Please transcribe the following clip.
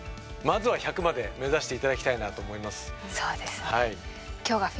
まずは１００まで目指して頂きたいなと思います。